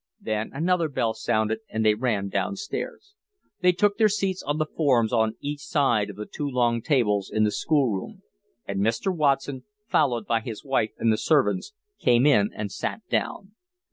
Then another bell sounded, and they ran downstairs. They took their seats on the forms on each side of the two long tables in the school room; and Mr. Watson, followed by his wife and the servants, came in and sat down.